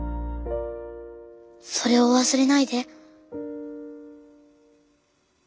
それを忘れないで。